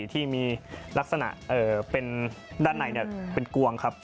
ที่มีรักษณะด้านในเป็นกวง